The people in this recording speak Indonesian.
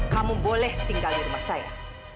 kamu boleh tinggal di rumah saya